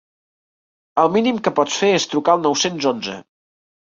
El mínim que pots fer és trucar al nou-cents once.